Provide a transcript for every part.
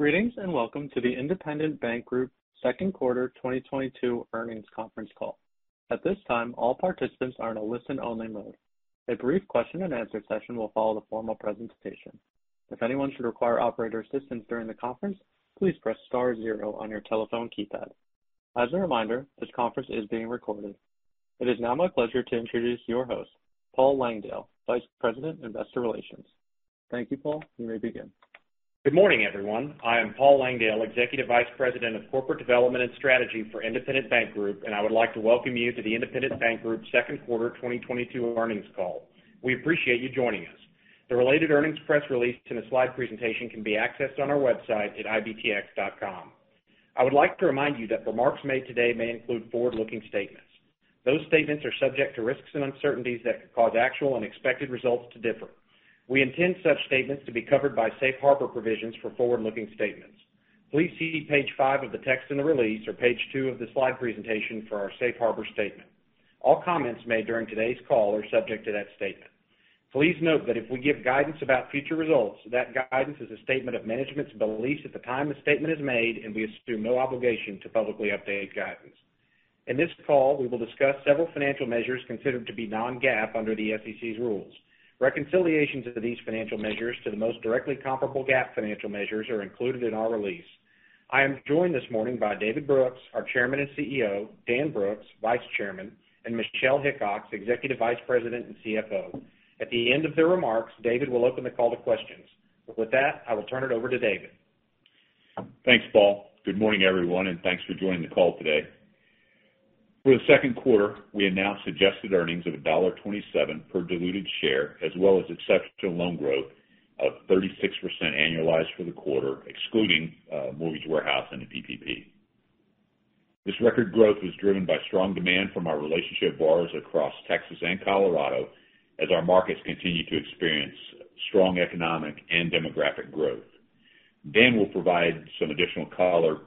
Greetings, and welcome to the Independent Bank Group Q2 2022 earnings conference call. At this time, all participants are in a listen-only mode. A brief question and answer session will follow the formal presentation. If anyone should require operator assistance during the conference, please press star zero on your telephone keypad. As a reminder, this conference is being recorded. It is now my pleasure to introduce your host, Paul Langdale, Vice President, Investor Relations. Thank you, Paul. You may begin. Good morning, everyone. I am Paul Langdale, Executive Vice President of Corporate Development and Strategy for Independent Bank Group, and I would like to welcome you to the Independent Bank Group Q2 2022 earnings call. We appreciate you joining us. The related earnings press release and the slide presentation can be accessed on our website at ibtx.com. I would like to remind you that remarks made today may include forward-looking statements. Those statements are subject to risks and uncertainties that could cause actual unexpected results to differ. We intend such statements to be covered by safe harbor provisions for forward-looking statements. Please see page five of the text in the release or page two of the slide presentation for our safe harbor statement. All comments made during today's call are subject to that statement. Please note that if we give guidance about future results, that guidance is a statement of management's beliefs at the time the statement is made, and we assume no obligation to publicly update guidance. In this call, we will discuss several financial measures considered to be non-GAAP under the SEC's rules. Reconciliations of these financial measures to the most directly comparable GAAP financial measures are included in our release. I am joined this morning by David Brooks, our Chairman and CEO, Dan Brooks, Vice Chairman, and Michelle Hickox, Executive Vice President and CFO. At the end of their remarks, David will open the call to questions. With that, I will turn it over to David. Thanks, Paul. Good morning, everyone, and thanks for joining the call today. For the Q2, we announced adjusted earnings of $1.27 per diluted share, as well as exceptional loan growth of 36% annualized for the quarter, excluding mortgage warehouse and the PPP. This record growth was driven by strong demand from our relationship borrowers across Texas and Colorado as our markets continue to experience strong economic and demographic growth. Dan will provide some additional color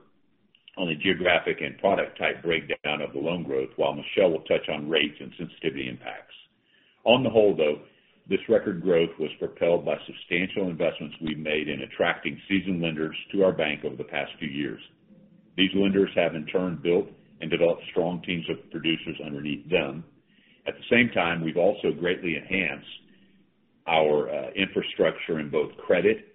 on the geographic and product type breakdown of the loan growth, while Michelle will touch on rates and sensitivity impacts. On the whole, though, this record growth was propelled by substantial investments we've made in attracting seasoned lenders to our bank over the past few years. These lenders have in turn built and developed strong teams of producers underneath them. At the same time, we've also greatly enhanced our infrastructure in both credit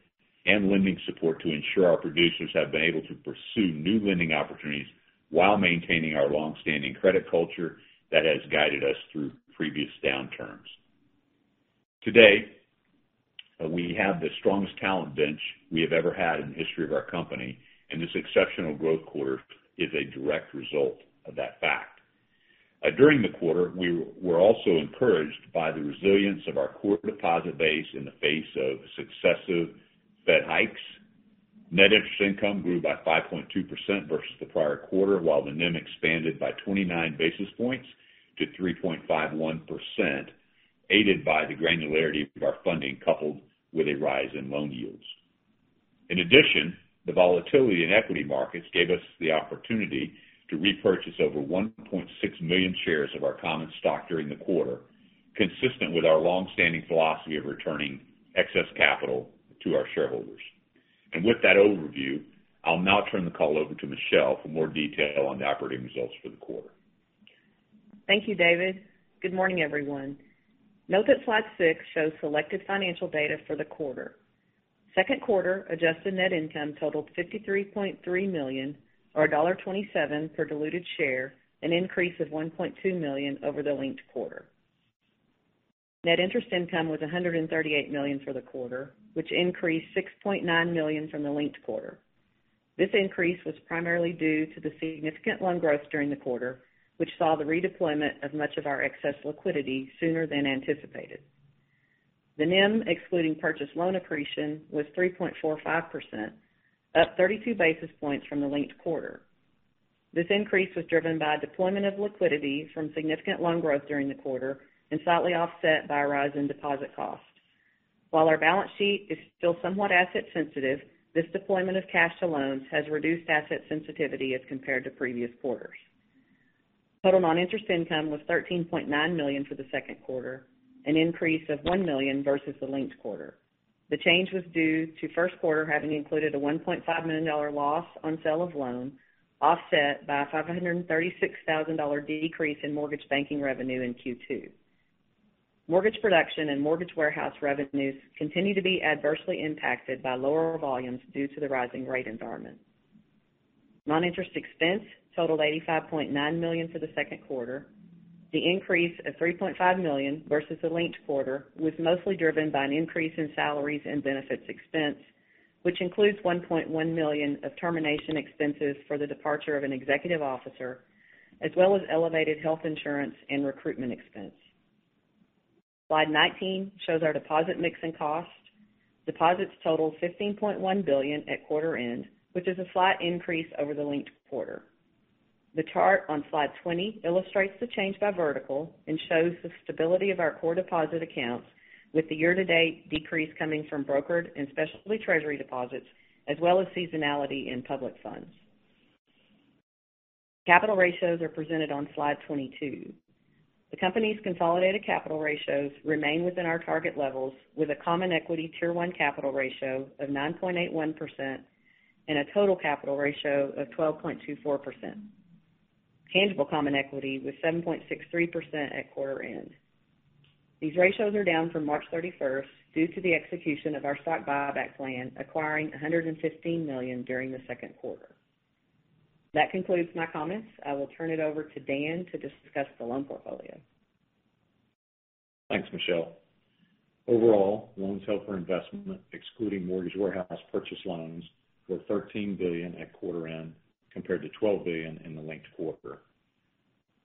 and lending support to ensure our producers have been able to pursue new lending opportunities while maintaining our long-standing credit culture that has guided us through previous downturns. Today, we have the strongest talent bench we have ever had in the history of our company, and this exceptional growth quarter is a direct result of that fact. During the quarter, we were also encouraged by the resilience of our core deposit base in the face of successive Fed hikes. Net interest income grew by 5.2% versus the prior quarter, while the NIM expanded by 29 basis points to 3.51%, aided by the granularity of our funding coupled with a rise in loan yields. In addition, the volatility in equity markets gave us the opportunity to repurchase over 1.6 million shares of our common stock during the quarter, consistent with our long-standing philosophy of returning excess capital to our shareholders. With that overview, I'll now turn the call over to Michelle for more detail on the operating results for the quarter. Thank you, David. Good morning, everyone. Note that slide six shows selected financial data for the quarter. Q2 adjusted net income totaled $53.3 million or $1.27 per diluted share, an increase of $1.2 million over the linked quarter. Net interest income was $138 million for the quarter, which increased $6.9 million from the linked quarter. This increase was primarily due to the significant loan growth during the quarter, which saw the redeployment of much of our excess liquidity sooner than anticipated. The NIM, excluding purchase loan accretion, was 3.45%, up 32 basis points from the linked quarter. This increase was driven by deployment of liquidity from significant loan growth during the quarter and slightly offset by a rise in deposit costs. While our balance sheet is still somewhat asset sensitive, this deployment of cash to loans has reduced asset sensitivity as compared to previous quarters. Total non-interest income was $13.9 million for the Q2, an increase of $1 million versus the linked quarter. The change was due to Q1 having included a $1.5 million loss on sale of loan, offset by a $536,000 decrease in mortgage banking revenue in Q2. Mortgage production and mortgage warehouse revenues continue to be adversely impacted by lower volumes due to the rising rate environment. Non-interest expense totaled $85.9 million for the Q2. The increase of $3.5 million versus the linked quarter was mostly driven by an increase in salaries and benefits expense, which includes $1.1 million of termination expenses for the departure of an executive officer, as well as elevated health insurance and recruitment expense. Slide 19 shows our deposit mix and cost. Deposits totaled $15.1 billion at quarter end, which is a slight increase over the linked quarter. The chart on Slide 20 illustrates the change by vertical and shows the stability of our core deposit accounts with the year-to-date decrease coming from brokered and specialty treasury deposits, as well as seasonality in public funds. Capital ratios are presented on Slide 22. The company's consolidated capital ratios remain within our target levels with a common equity tier one capital ratio of 9.81% and a total capital ratio of 12.24%. Tangible common equity was 7.63% at quarter end. These ratios are down from March 31st due to the execution of our stock buyback plan, acquiring $115 million during the Q2. That concludes my comments. I will turn it over to Dan to discuss the loan portfolio. Thanks, Michelle. Overall, loans held for investment, excluding mortgage warehouse purchase loans, were $13 billion at quarter end compared to $12 billion in the linked quarter.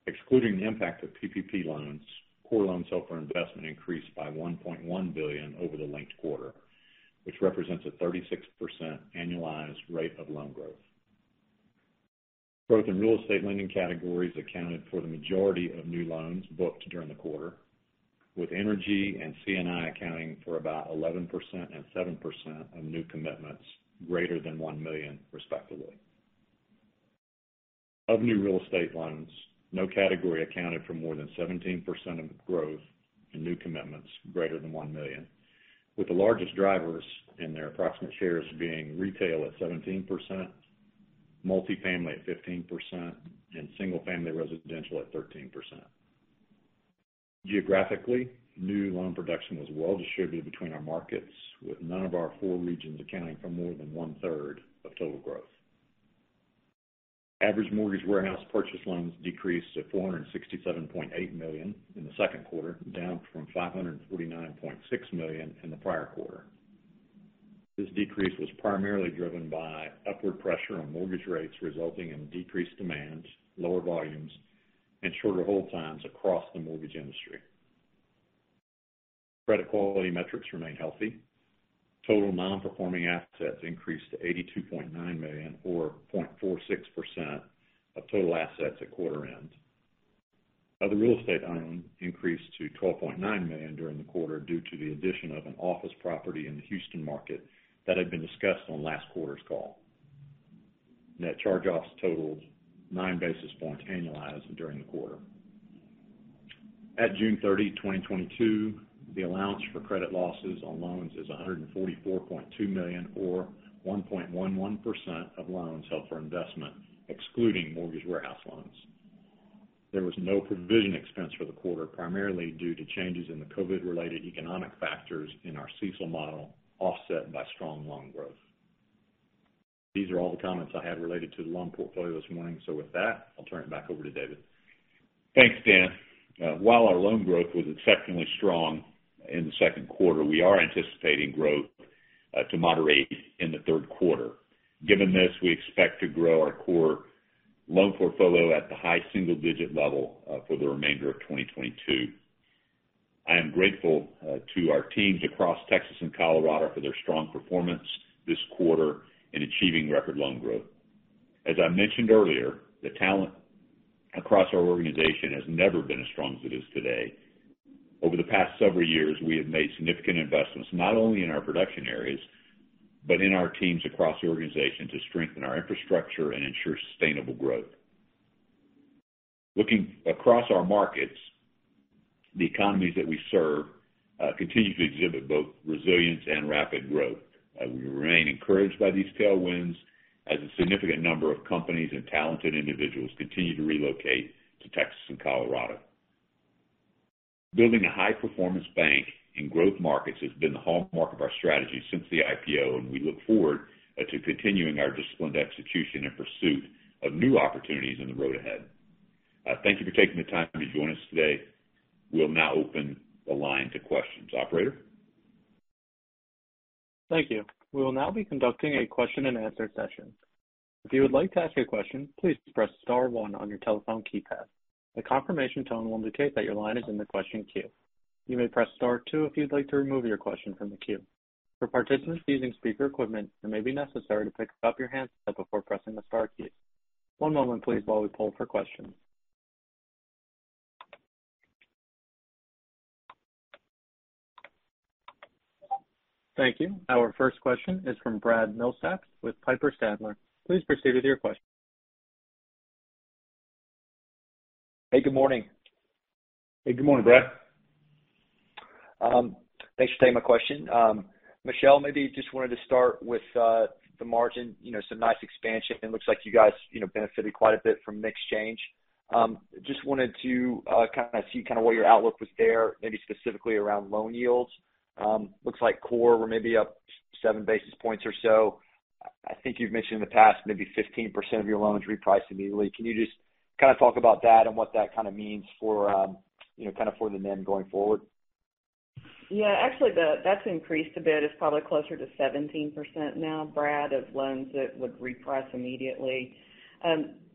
Excluding the impact of PPP loans, core loans held for investment increased by $1.1 billion over the linked quarter, which represents a 36% annualized rate of loan growth. Growth in real estate lending categories accounted for the majority of new loans booked during the quarter, with energy and C&I accounting for about 11% and 7% of new commitments greater than $1 million, respectively. Of new real estate loans, no category accounted for more than 17% of growth in new commitments greater than $1 million, with the largest drivers and their approximate shares being retail at 17%, multifamily at 15%, and single family residential at 13%. Geographically, new loan production was well distributed between our markets, with none of our four regions accounting for more than one-third of total growth. Average mortgage warehouse purchase loans decreased to $467.8 million in the Q2, down from $549.6 million in the prior quarter. This decrease was primarily driven by upward pressure on mortgage rates resulting in decreased demand, lower volumes, and shorter hold times across the mortgage industry. Credit quality metrics remain healthy. Total non-performing assets increased to $82.9 million, or 0.46% of total assets at quarter end. Other real estate owned increased to $12.9 million during the quarter due to the addition of an office property in the Houston market that had been discussed on last quarter's call. Net charge-offs totaled 9 basis points annualized during the quarter. On June 30th, 2022, the allowance for credit losses on loans is $144.2 million or 1.11% of loans held for investment, excluding mortgage warehouse loans. There was no provision expense for the quarter, primarily due to changes in the COVID-related economic factors in our CECL model, offset by strong loan growth. These are all the comments I have related to the loan portfolio this morning. With that, I'll turn it back over to David. Thanks, Dan. While our loan growth was exceptionally strong in the Q2, we are anticipating growth to moderate in the Q3. Given this, we expect to grow our core loan portfolio at the high single digit level for the remainder of 2022. I am grateful to our teams across Texas and Colorado for their strong performance this quarter in achieving record loan growth. As I mentioned earlier, the talent across our organization has never been as strong as it is today. Over the past several years, we have made significant investments not only in our production areas, but in our teams across the organization to strengthen our infrastructure and ensure sustainable growth. Looking across our markets, the economies that we serve continue to exhibit both resilience and rapid growth. We remain encouraged by these tailwinds as a significant number of companies and talented individuals continue to relocate to Texas and Colorado. Building a high-performance bank in growth markets has been the hallmark of our strategy since the IPO, and we look forward to continuing our disciplined execution and pursuit of new opportunities in the road ahead. Thank you for taking the time to join us today. We'll now open the line to questions. Operator? Thank you. We will now be conducting a question and answer session. If you would like to ask a question, please press star one on your telephone keypad. A confirmation tone will indicate that your line is in the question queue. You may press star two if you'd like to remove your question from the queue. For participants using speaker equipment, it may be necessary to pick up your handset before pressing the star keys. One moment, please, while we poll for questions. Thank you. Our first question is from Brad Milsaps with Piper Sandler. Please proceed with your question. Hey, good morning. Hey, good morning, Brad. Thanks for taking my question. Michelle, maybe just wanted to start with the margin, you know, some nice expansion. It looks like you guys, you know, benefited quite a bit from mix change. Just wanted to kind of see what your outlook was there, maybe specifically around loan yields. Looks like core were maybe up seven basis points or so. I think you've mentioned in the past maybe 15% of your loans reprice immediately. Can you just kind of talk about that and what that kind of means for, you know, kind of for the NIM going forward? Yeah, actually that's increased a bit. It's probably closer to 17% now, Brad, of loans that would reprice immediately.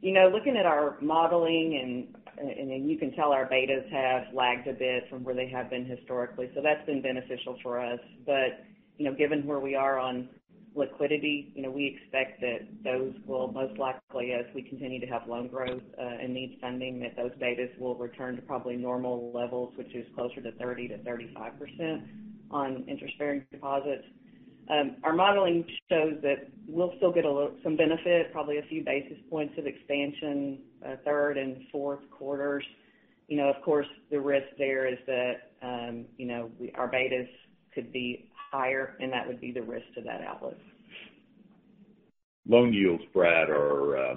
You know, looking at our modeling and then you can tell our betas have lagged a bit from where they have been historically, so that's been beneficial for us. You know, given where we are on liquidity, you know, we expect that those will most likely, as we continue to have loan growth, and need funding, that those betas will return to probably normal levels, which is closer to 30%-35% on interest-bearing deposits. Our modeling shows that we'll still get some benefit, probably a few basis points of expansion, third and fourth quarters. You know, of course, the risk there is that, you know, our betas could be higher, and that would be the risk to that outlook. Loan yields, Brad, are,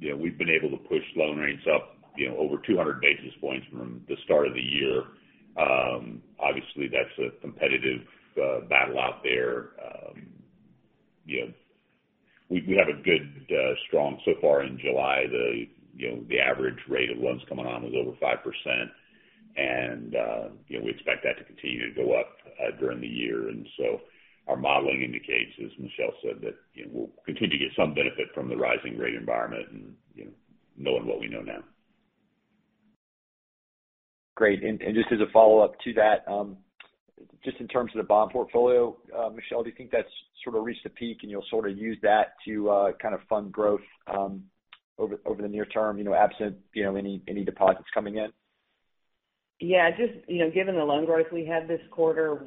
you know, we've been able to push loan rates up, you know, over 200 basis points from the start of the year. Obviously, that's a competitive battle out there. You know, we have a good strong so far in July. You know, the average rate of loans coming on was over 5%. You know, we expect that to continue to go up during the year. Our modeling indicates, as Michelle said, that, you know, we'll continue to get some benefit from the rising rate environment and, you know, knowing what we know now. Great. Just as a follow-up to that, just in terms of the bond portfolio, Michelle, do you think that's sort of reached a peak and you'll sort of use that to kind of fund growth over the near term, you know, absent you know any deposits coming in? Just, you know, given the loan growth we had this quarter,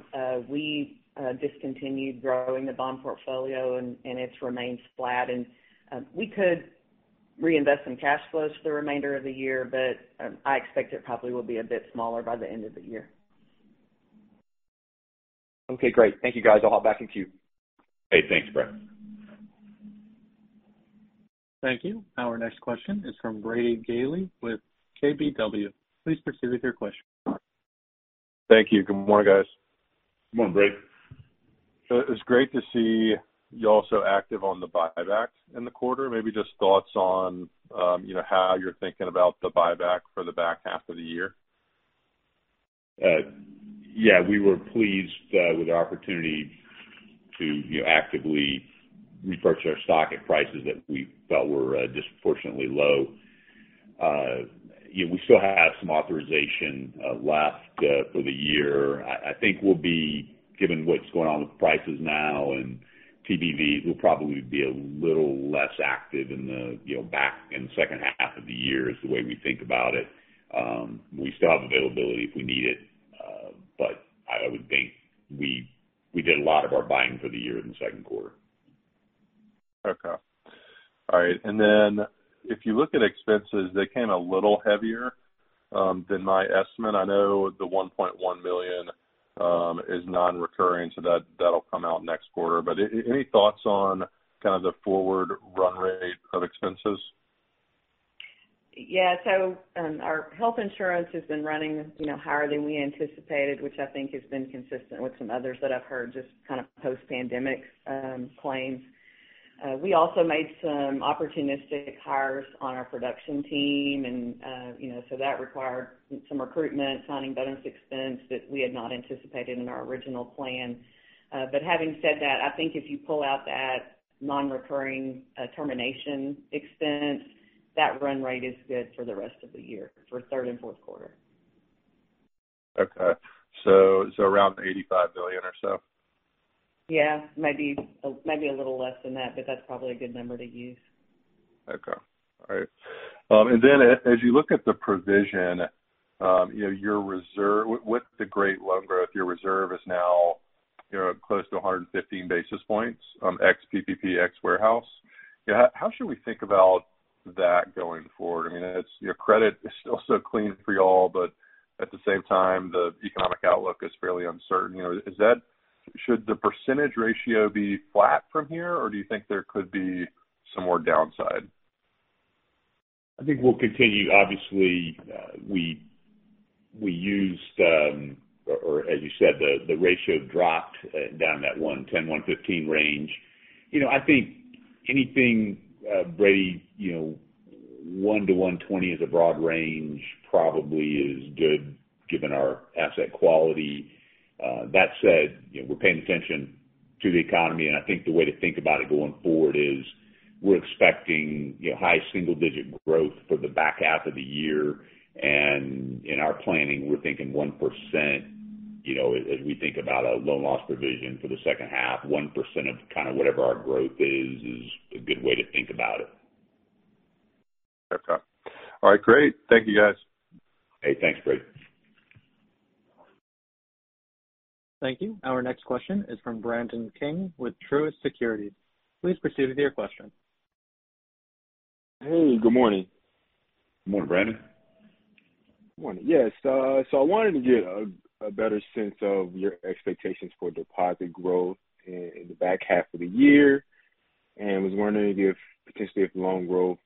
we discontinued growing the bond portfolio and it's remained flat. We could reinvest some cash flows for the remainder of the year, but I expect it probably will be a bit smaller by the end of the year. Okay, great. Thank you, guys. I'll hop back in queue. Hey, thanks, Brad. Thank you. Our next question is from Brady Gailey with KBW. Please proceed with your question. Thank you. Good morning, guys. Good morning, Brady. It's great to see you all so active on the buybacks in the quarter. Maybe just thoughts on, you know, how you're thinking about the buyback for the back half of the year. Yeah, we were pleased with the opportunity to, you know, actively repurchase our stock at prices that we felt were disproportionately low. You know, we still have some authorization left for the year. I think we'll be, given what's going on with prices now and TBV, we'll probably be a little less active in the back in the H2 of the year is the way we think about it. We still have availability if we need it. I would think we did a lot of our buying for the year in the Q2. If you look at expenses, they came a little heavier than my estimate. I know the $1.1 million is non-recurring, so that'll come out next quarter. Any thoughts on kind of the forward run rate of expenses? Yeah. Our health insurance has been running, you know, higher than we anticipated, which I think has been consistent with some others that I've heard, just kind of post-pandemic claims. We also made some opportunistic hires on our production team and, you know, so that required some recruitment, signing bonus expense that we had not anticipated in our original plan. Having said that, I think if you pull out that non-recurring termination expense, that run rate is good for the rest of the year, for Q3 and Q4. Around $85 million or so? Yeah, maybe a little less than that, but that's probably a good number to use. Okay. All right. As you look at the provision, you know, your reserve with the great loan growth, your reserve is now, you know, close to 115 basis points, ex-PPP, ex-warehouse. You know, how should we think about that going forward? I mean, it's, you know, credit is still so clean for y'all, but at the same time, the economic outlook is fairly uncertain. You know, should the percentage ratio be flat from here, or do you think there could be some more downside? I think we'll continue. Obviously, we used, or as you said, the ratio dropped down that 110-115 range. You know, I think anything, Brady, you know, 110-120 is a broad range probably is good given our asset quality. That said, you know, we're paying attention to the economy, and I think the way to think about it going forward is we're expecting, you know, high single-digit growth for the back half of the year. In our planning, we're thinking 1%, you know, as we think about a loan loss provision for the H2, 1% of kind of whatever our growth is a good way to think about it. Okay. All right, great. Thank you, guys. Hey, thanks, Brady. Thank you. Our next question is from Brandon King with Truist Securities. Please proceed with your question. Hey, good morning. Good morning, Brandon. Morning. Yes. I wanted to get a better sense of your expectations for deposit growth in the back half of the year, and was wondering if, potentially if loan growth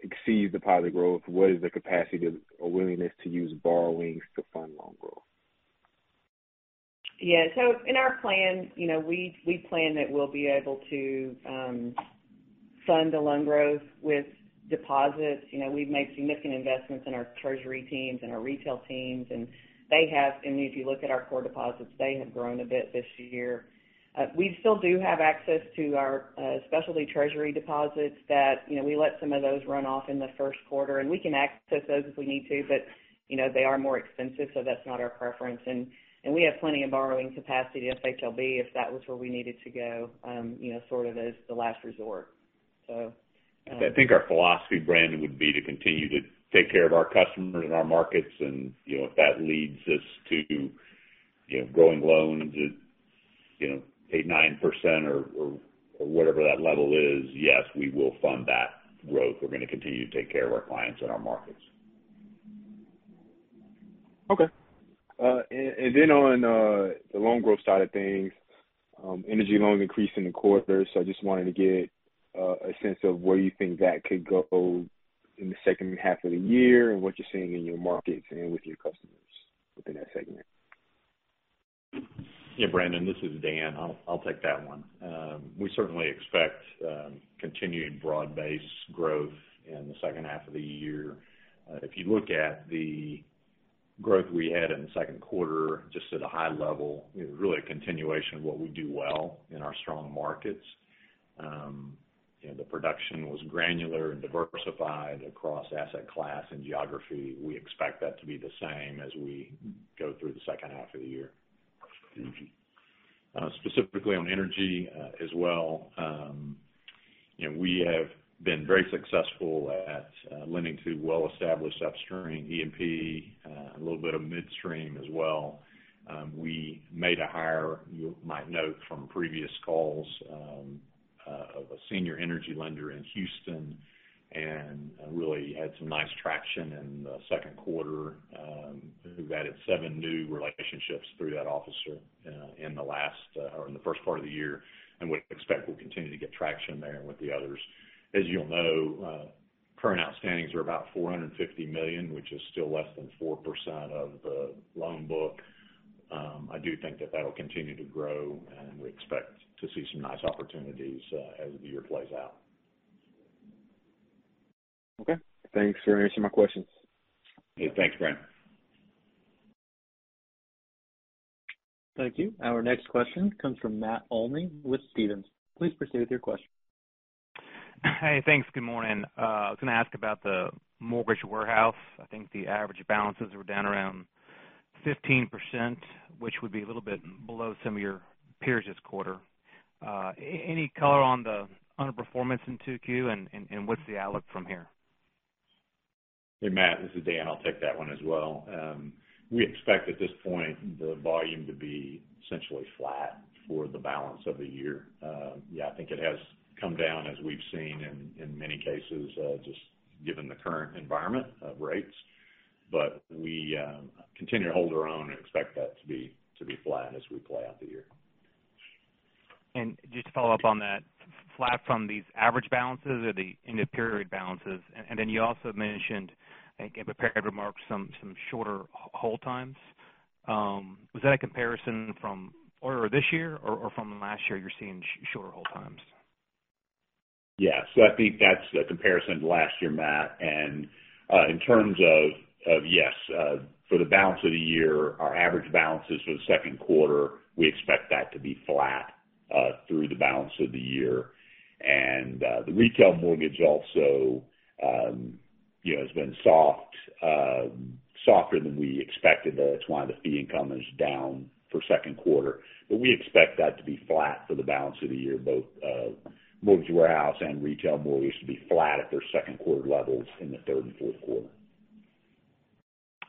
exceeds deposit growth, what is the capacity or willingness to use borrowings to fund loan growth? Yeah. In our plan, you know, we plan that we'll be able to fund the loan growth with deposits. You know, we've made significant investments in our treasury teams and our retail teams, and they have, I mean, if you look at our core deposits, they have grown a bit this year. We still do have access to our specialty treasury deposits that, you know, we let some of those run off in the Q1, and we can access those if we need to, but, you know, they are more expensive, so that's not our preference. We have plenty of borrowing capacity to FHLB if that was where we needed to go, you know, sort of as the last resort. I think our philosophy, Brandon, would be to continue to take care of our customers and our markets. You know, if that leads us to, you know, growing loans at, you know, 8%-9% or whatever that level is, yes, we will fund that growth. We're gonna continue to take care of our clients and our markets. Okay. And then on the loan growth side of things, energy loans increased in the quarter. I just wanted to get a sense of where you think that could go in the H2 of the year and what you're seeing in your markets and with your customers within that segment. Yeah, Brandon, this is Dan. I'll take that one. We certainly expect continuing broad-based growth in the H2 of the year. If you look at the growth we had in the Q2, just at a high level, it was really a continuation of what we do well in our strong markets. You know, the production was granular and diversified across asset class and geography. We expect that to be the same as we go through the H2 of the year. Mm-hmm. Specifically on energy, as well, you know, we have been very successful at lending to well-established upstream E&P, a little bit of midstream as well. We made a hire, you might note from previous calls, of a senior energy lender in Houston and really had some nice traction in the Q2, who've added seven new relationships through that officer in the last, or in the first part of the year. We expect we'll continue to get traction there with the others. As you'll know, current outstandings are about $450 million, which is still less than 4% of the loan book. I do think that that'll continue to grow, and we expect to see some nice opportunities as the year plays out. Okay. Thanks for answering my questions. Hey, thanks, Brandon. Thank you. Our next question comes from Matt Olney with Stephens. Please proceed with your question. Hey, thanks. Good morning. I was gonna ask about the mortgage warehouse. I think the average balances were down around 15%, which would be a little bit below some of your peers this quarter. Any color on the underperformance in 2Q, and what's the outlook from here? Hey, Matt, this is Dan. I'll take that one as well. We expect at this point the volume to be essentially flat for the balance of the year. Yeah, I think it has come down as we've seen in many cases, just given the current environment of rates. We continue to hold our own and expect that to be flat as we play out the year. Just to follow up on that, flat from these average balances or the end of period balances. Then you also mentioned, I think in prepared remarks, some shorter hold times. Was that a comparison from quarter of this year or from last year you're seeing shorter hold times? Yeah. I think that's a comparison to last year, Matt. In terms of yes, for the balance of the year, our average balances for the Q2, we expect that to be flat through the balance of the year. The retail mortgage also, you know, has been soft, softer than we expected. That's why the fee income is down for Q2. We expect that to be flat for the balance of the year, both mortgage warehouse and retail mortgage to be flat at their Q2 levels in the third and fourth quarter.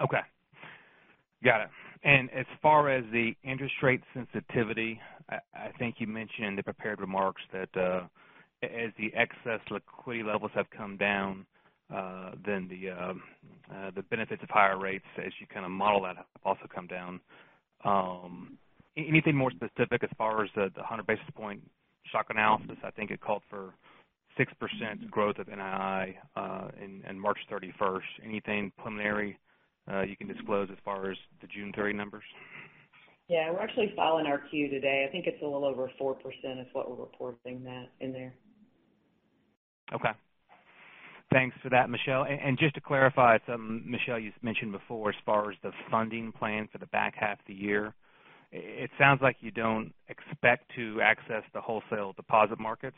Okay. Got it. As far as the interest rate sensitivity, I think you mentioned in the prepared remarks that, as the excess liquidity levels have come down, then the benefits of higher rates as you kind of model that have also come down. Anything more specific as far as the 100 basis point shock analysis? I think it called for 6% growth of NII as of March 31st. Anything preliminary you can disclose as far as the June 30th numbers? Yeah. We're actually filing our Q today. I think it's a little over 4% is what we're reporting that in there. Okay. Thanks for that, Michelle. Just to clarify something, Michelle, you mentioned before, as far as the funding plan for the back half of the year. It sounds like you don't expect to access the wholesale deposit markets.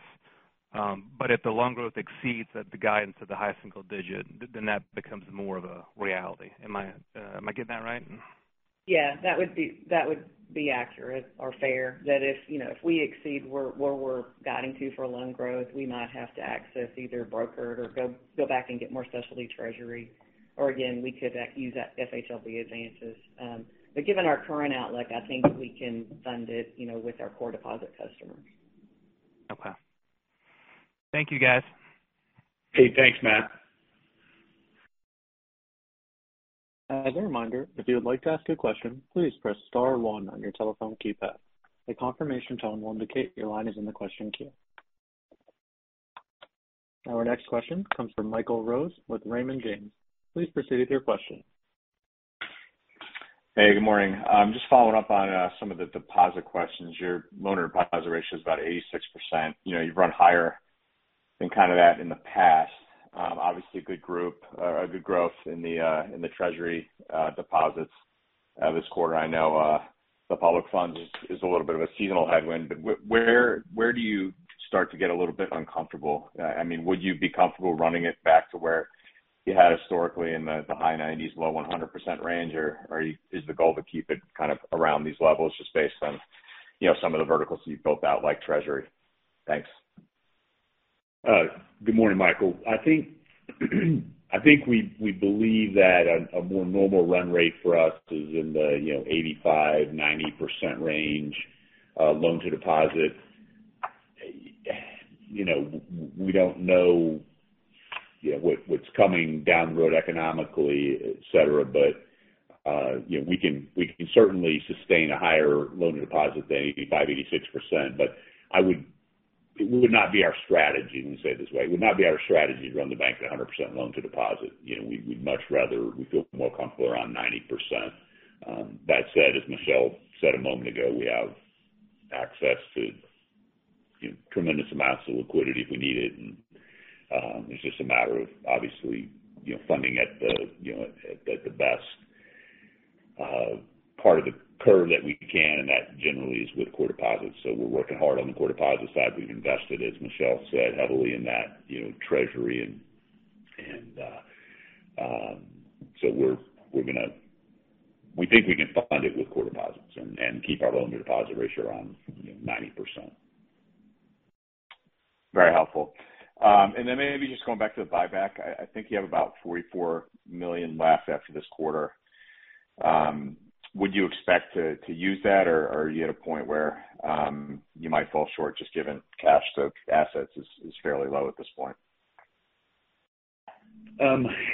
If the loan growth exceeds the guidance of the highest single digit, then that becomes more of a reality. Am I getting that right? Yeah. That would be accurate or fair. If, you know, if we exceed where we're guiding to for loan growth, we might have to access either brokered or go back and get more specialty treasury. Again, we could use that FHLB advances. Given our current outlook, I think we can fund it, you know, with our core deposit customers. Okay. Thank you, guys. Hey, thanks, Matt. As a reminder, if you would like to ask a question, please press star one on your telephone keypad. A confirmation tone will indicate your line is in the question queue. Our next question comes from Michael Rose with Raymond James. Please proceed with your question. Hey, good morning. I'm just following up on some of the deposit questions. Your loan deposit ratio is about 86%. You know, you've run higher than kind of that in the past. Obviously a good growth in the treasury deposits this quarter. I know the public funds is a little bit of a seasonal headwind, but where do you start to get a little bit uncomfortable? I mean, would you be comfortable running it back to where you had historically in the high 90s, low 100% range. Or is the goal to keep it kind of around these levels just based on, you know, some of the verticals you've built out, like Treasury? Thanks. Good morning, Michael. I think we believe that a more normal run rate for us is in the, you know, 85-90% range, loan to deposit. You know, we don't know, you know, what's coming down the road economically, et cetera. We can certainly sustain a higher loan to deposit than 85-86%. It would not be our strategy. Let me say it this way. It would not be our strategy to run the bank at a 100% loan to deposit. You know, we'd much rather feel more comfortable around 90%. That said, as Michelle said a moment ago, we have access to tremendous amounts of liquidity if we need it. It's just a matter of, obviously, you know, funding at the, you know, at the best part of the curve that we can, and that generally is with core deposits. We're working hard on the core deposit side. We've invested, as Michelle said, heavily in that, you know, treasury. We think we can fund it with core deposits and keep our loan to deposit ratio around, you know, 90%. Very helpful. Maybe just going back to the buyback. I think you have about $44 million left after this quarter. Would you expect to use that, or are you at a point where you might fall short just given cash to assets is fairly low at this point?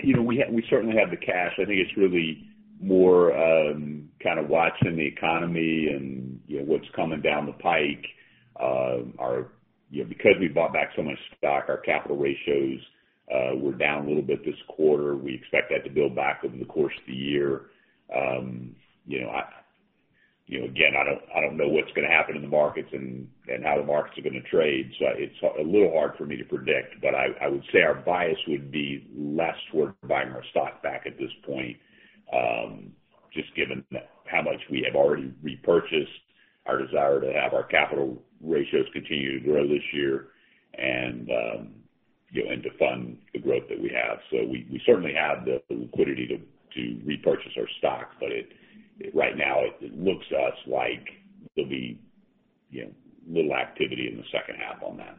You know, we certainly have the cash. I think it's really more kind of watching the economy and, you know, what's coming down the pike. You know, because we bought back so much stock, our capital ratios were down a little bit this quarter. We expect that to build back over the course of the year. You know, again, I don't know what's going to happen in the markets and how the markets are going to trade. It's a little hard for me to predict. I would say our bias would be less toward buying our stock back at this point, just given how much we have already repurchased, our desire to have our capital ratios continue to grow this year and, you know, and to fund the growth that we have. We certainly have the liquidity to repurchase our stock. Right now it looks to us like there'll be, you know, little activity in the sH2 on that.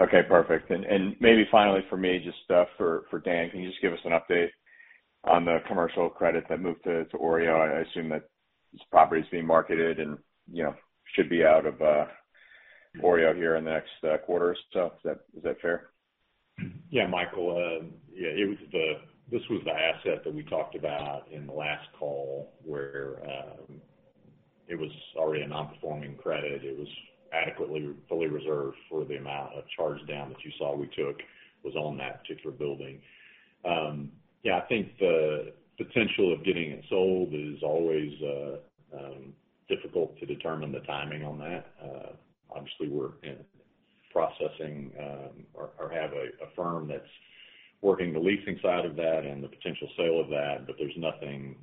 Okay, perfect. Maybe finally for me, just stuff for Dan, can you just give us an update on the commercial credit that moved to OREO? I assume that this property is being marketed and, you know, should be out of OREO here in the next quarter or so. Is that fair? Yeah, Michael. This was the asset that we talked about in the last call where it was already a non-performing credit. It was adequately fully reserved for the amount of charge down that you saw we took was on that particular building. I think the potential of getting it sold is always difficult to determine the timing on that. Obviously, we're in processing or have a firm that's working the leasing side of that and the potential sale of that, but there's nothing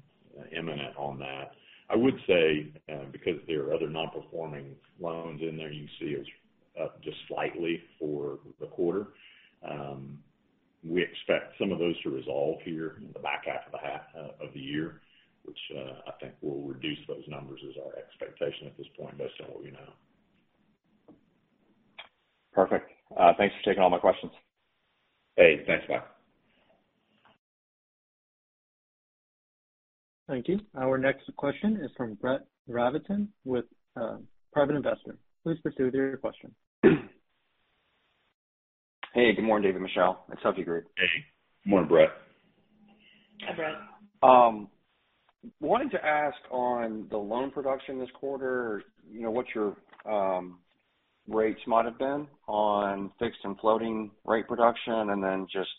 imminent on that. I would say, because there are other non-performing loans in there, you see it's up just slightly for the quarter. We expect some of those to resolve here in the back half of the year, which I think will reduce those numbers is our expectation at this point based on what we know. Perfect. Thanks for taking all my questions. Hey, thanks, Michael. Thank you. Our next question is from Brett Rabatin with Piper Sandler. Please proceed with your question. Hey, good morning, David and Michelle. It's Jeff Yabuki. Hey. Good morning, Brett. Hi, Brett. Wanted to ask on the loan production this quarter, you know, what your rates might have been on fixed and floating rate production. Just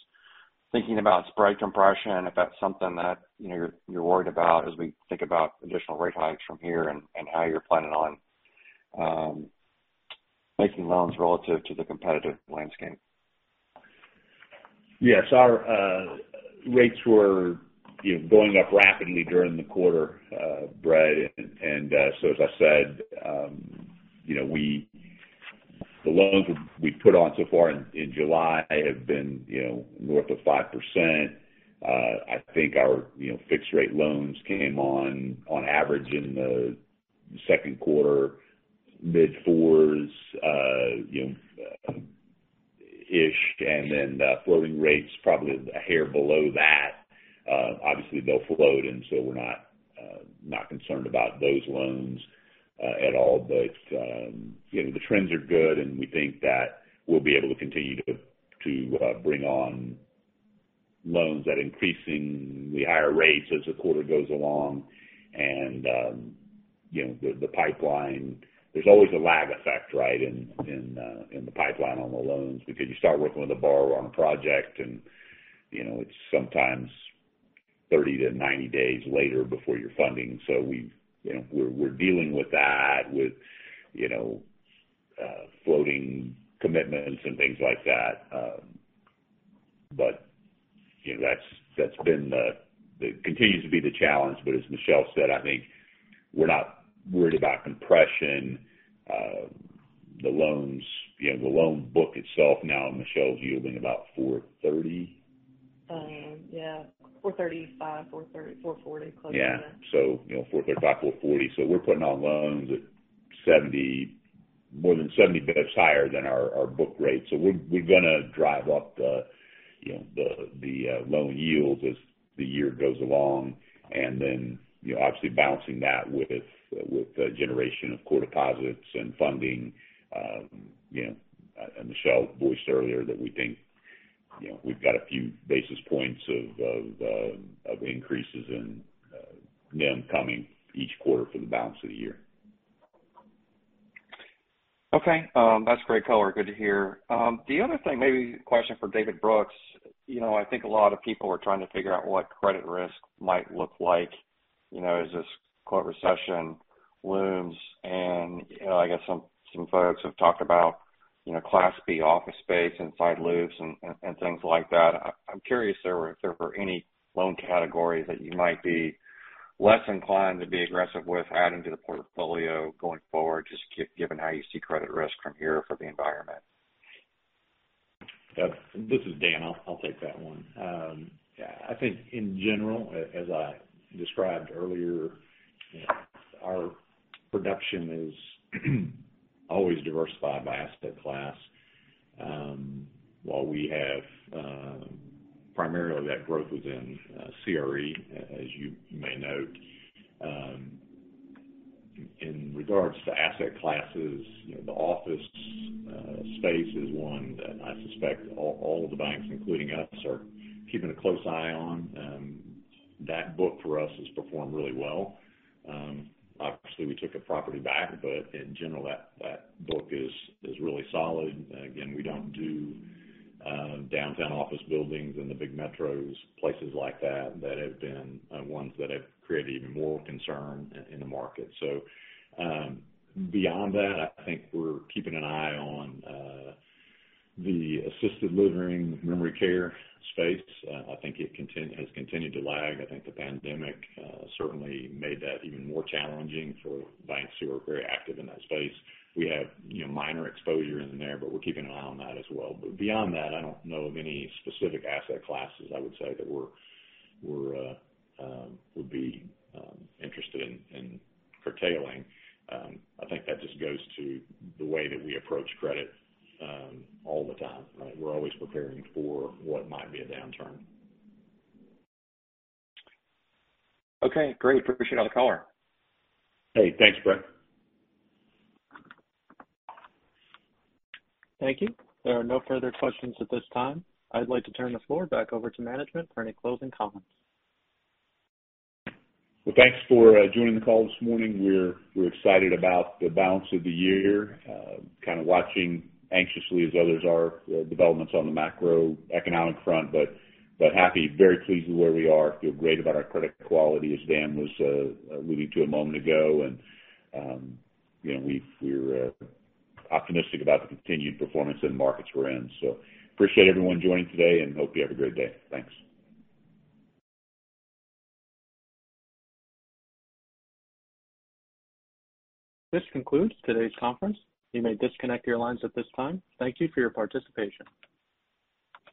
thinking about spread compression, if that's something that, you know, you're worried about as we think about additional rate hikes from here and how you're planning on making loans relative to the competitive landscape. Yes. Our rates were, you know, going up rapidly during the quarter, Brett. As I said, you know, the loans we've put on so far in July have been, you know, north of 5%. I think our, you know, fixed rate loans came on average in the Q2, mid-fours, you know. The floating rates probably a hair below that. Obviously, they'll float, and so we're not concerned about those loans at all. The trends are good, and we think that we'll be able to continue to bring on loans at increasingly higher rates as the quarter goes along. You know, the pipeline. There's always a lag effect, right? In the pipeline on the loans because you start working with a borrower on a project and, you know, it's sometimes 30-90 days later before you're funding. We've, you know, we're dealing with that with, you know, floating commitments and things like that. You know, that's been the challenge. It continues to be the challenge. As Michelle said, I think we're not worried about compression. The loans, you know, the loan book itself now, Michelle's yielding about 4.30%. Yeah, 4.35%-4.40%, close to that. Yeah. You know, 4.35%, 4.40%. We're putting on loans at 70, more than 70 basis higher than our book rate. We're gonna drive up the, you know, the loan yields as the year goes along. Then, you know, obviously balancing that with the generation of core deposits and funding, you know. Michelle voiced earlier that we think, you know, we've got a few basis points of increases in NIM coming each quarter for the balance of the year. Okay. That's great color. Good to hear. The other thing, maybe a question for David Brooks. You know, I think a lot of people are trying to figure out what credit risk might look like, you know, as this quote, recession looms. You know, I guess some folks have talked about, you know, Class B office space and site loops and things like that. I'm curious if there were any loan categories that you might be less inclined to be aggressive with adding to the portfolio going forward, just given how you see credit risk from here for the environment. This is Dan. I'll take that one. I think in general, as I described earlier, our production is always diversified by asset class. While we have primarily that growth within CRE, as you may note, in regards to asset classes, you know, the office space is one that I suspect all the banks, including us, are keeping a close eye on. That book for us has performed really well. Obviously, we took a property back, but in general, that book is really solid. Again, we don't do downtown office buildings in the big metros, places like that have been ones that have created even more concern in the market. Beyond that, I think we're keeping an eye on the assisted living memory care space. I think it has continued to lag. I think the pandemic certainly made that even more challenging for banks who are very active in that space. We have, you know, minor exposure in there, but we're keeping an eye on that as well. Beyond that, I don't know of any specific asset classes I would say that we would be interested in curtailing. I think that just goes to the way that we approach credit all the time, right? We're always preparing for what might be a downturn. Okay, great. Appreciate all the color. Hey, thanks, Brett. Thank you. There are no further questions at this time. I'd like to turn the floor back over to management for any closing comments. Well, thanks for joining the call this morning. We're excited about the balance of the year. Kind of watching anxiously as others are developments on the macroeconomic front, but happy, very pleased with where we are. Feel great about our credit quality, as Dan was alluding to a moment ago. You know, we're optimistic about the continued performance in the markets we're in. Appreciate everyone joining today and hope you have a great day. Thanks. This concludes today's conference. You may disconnect your lines at this time. Thank you for your participation.